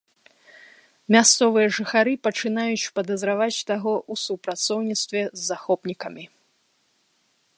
Мясцовыя жыхары пачынаюць падазраваць таго ў супрацоўніцтве з захопнікамі.